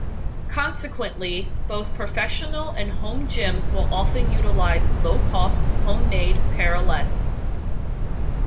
Consequently, both professional and home gyms will often utilize low-cost, "homemade" parallettes.